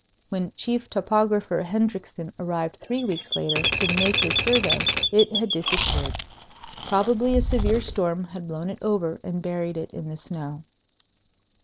When Chief Topographer Hendriksen arrived three weeks later to make his survey, it had disappeared. Probably a severe storm had blown it over and buried it in the snow.